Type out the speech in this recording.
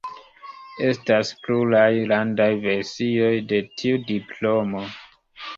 Estas pluraj landaj versioj de tiu diplomo.